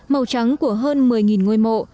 màu trắng của hơn một mươi ngôi mộ